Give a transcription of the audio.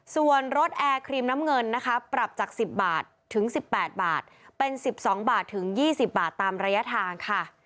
ส่วนรถแอร์ครีมน้ำเงินนะคะปรับจาก๑๐บาทถึง๑๘บาทเป็น๑๒บาทถึง๒๐บาทตามระยะทางค่ะ